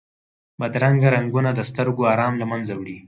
بدرنګه رنګونه د سترګو آرام له منځه وړي